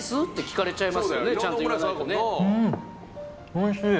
おいしい